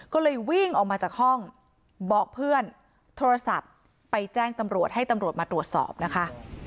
ก็เลยวิ่งออกมาจากห้องบอกเพื่อนโทรศัพท์ไปแจ้งตำรวจให้ตำรวจมาตรวจสอบนะคะ